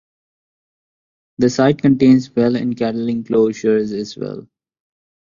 The site contains wells and cattle enclosures as well.